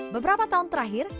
beberapa tahun terakhir